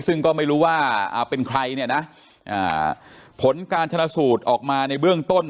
ซึ่งก็ไม่รู้ว่าเป็นใครเนี่ยนะผลการชนะสูตรออกมาในเบื้องต้น